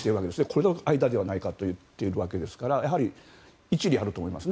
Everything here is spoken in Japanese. この間ではないかと言っているわけですから一理あると思います